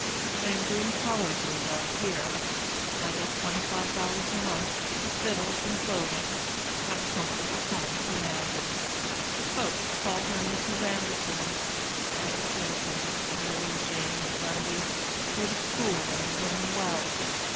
I am doing tolerably well here. I get twenty five dollars a month, with victuals and clothing; have a comfortable home for Mandy, the folks call her Mrs. Anderson, and the children Milly, Jane, and Grundy go to school and are learning well.